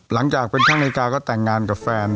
หลังจากเป็นช่างนาฬิกาก็แต่งงานกับแฟน